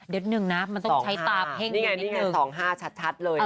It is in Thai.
เดี๋ยวนึงนะมันต้องใช้ตาเพลงนิดนึงนี่ไงนี่ไงสองห้าชัดชัดเลยนะคะ